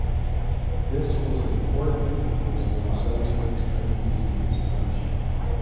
This was an important influence on the Los Angeles County Museum’s collection.